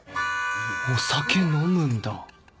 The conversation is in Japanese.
お酒飲むんだ